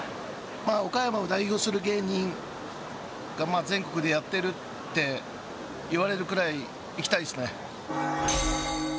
まあ岡山を代表する芸人が全国でやってるって言われるくらいいきたいですね